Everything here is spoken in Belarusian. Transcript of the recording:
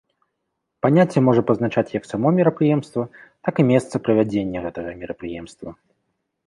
Паняцце можа пазначаць як само мерапрыемства, так і месца правядзення гэтага мерапрыемства.